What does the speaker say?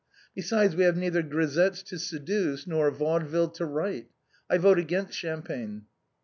Besides, we have neither grisettes to seduce, nor a vaudeville to write. I vote against Cham pagne."